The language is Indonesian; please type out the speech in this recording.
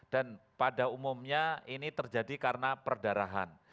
dan pada umumnya ini terjadi karena perdarahan